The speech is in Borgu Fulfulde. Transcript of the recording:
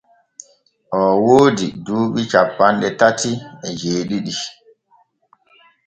Oo woodi duuɓi cappanɗe tati e jeeɗiɗi.